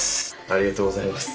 ありがとうございます。